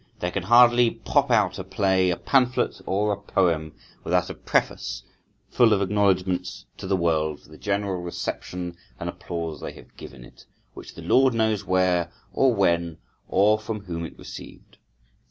There can hardly pop out a play, a pamphlet, or a poem without a preface full of acknowledgments to the world for the general reception and applause they have given it, which the Lord knows where, or when, or how, or from whom it received.